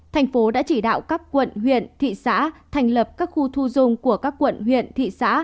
thành phố đã chỉ đạo các quận huyện thị xã thành lập các khu thu dung của các quận huyện thị xã